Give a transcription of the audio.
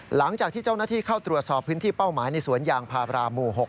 หลังจากที่เจ้าหน้าที่เข้าตรวจสอบพื้นที่เป้าหมายในสวนยางพาราหมู่๖